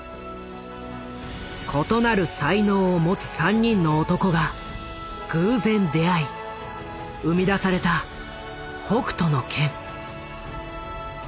異なる才能を持つ３人の男が偶然出会い生み出された「北斗の拳」。